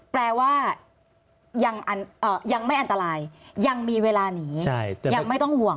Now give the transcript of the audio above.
แปลว่ายังไม่อันตรายยังมีเวลาหนียังไม่ต้องห่วง